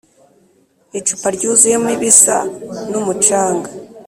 icupa ryuzuyemo ibisa n'umucanga.